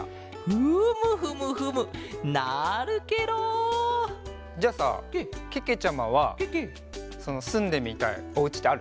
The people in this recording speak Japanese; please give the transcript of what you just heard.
フムフムフムなるケロ！じゃあさけけちゃまはそのすんでみたいおうちってある？